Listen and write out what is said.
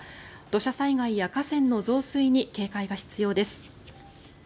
土砂災害や河川の増水に警戒が必要です。